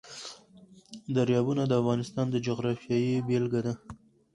دریابونه د افغانستان د جغرافیې بېلګه ده.